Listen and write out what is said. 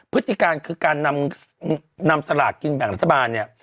พฤติกาลคือการนำสลากจินแบ่งแลัธบาล